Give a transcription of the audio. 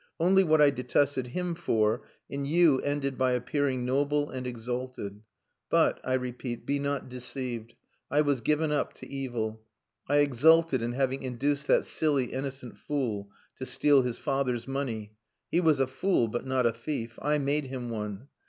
Only what I detested him for, in you ended by appearing noble and exalted. But, I repeat, be not deceived. I was given up to evil. I exulted in having induced that silly innocent fool to steal his father's money. He was a fool, but not a thief. I made him one.